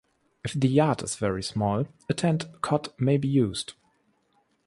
If the yard is very small, a tent cot may be used.